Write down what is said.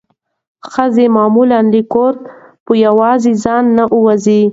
ښځې معمولا له کوره په یوازې ځان نه وځي.